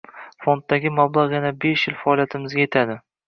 Fonddagi mablag‘ yana besh yil faoliyatimizga yetadi.